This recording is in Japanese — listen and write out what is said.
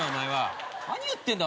何言ってんだ？